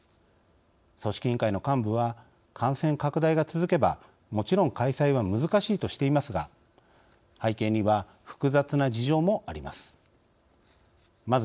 組織委員会の幹部は感染拡大が続けばもちろん開催は難しいとしていますが背景には複雑な事情もあります。